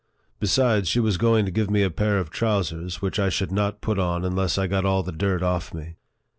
Besides, she was going to give me a pair of trousers, which I should not put on unless I got all the dirt off me.